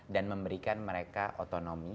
dan memberikan mereka otonomi